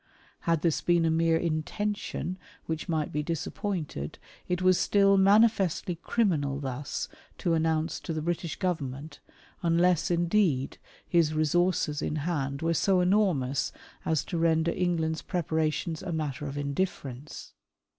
Had this been a mere ' intention ' which might be ' disappointed,' it was still manifestly criminal thus to announce to the British government, unless, indeed, his resources in hand were so enormous as to render England's preparations a matter of indifference.